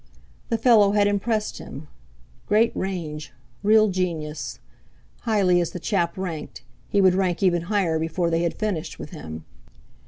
The fellow had impressed him—great range, real genius! Highly as the chap ranked, he would rank even higher before they had finished with him.